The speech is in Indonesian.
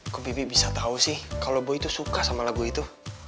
kok bibi bisa tau sih kalau boy tuh suka sama lagu itu